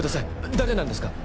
誰なんですか？